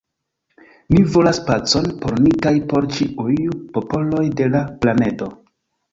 Ni volas pacon por ni kaj por ĉiuj popoloj de la planedo.